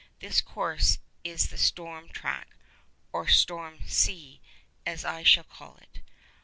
This course is the storm track (or storm ⊂ as I shall call it).